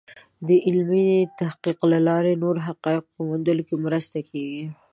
د علمي تحقیق له لارې د نوو حقایقو په موندلو کې مرسته کېږي.